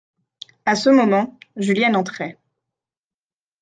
A ce moment, Julienne entrait.